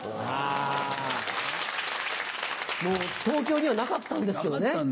東京にはなかったんですけどね。